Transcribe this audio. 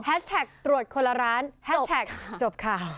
แท็กตรวจคนละร้านแฮชแท็กจบค่ะ